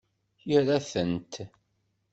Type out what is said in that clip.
Ira-tent.